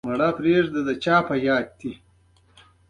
د ارزښتونو د بدلون تړاو په زړه پورې والي او عصري چاپېریال پورې دی.